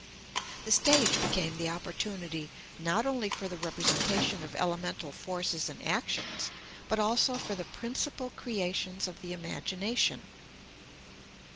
The stage became the opportunity not only for the representation of elemental forces and actions, but also for the principal creations of the imagination.